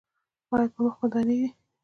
ایا په مخ مو دانې دي؟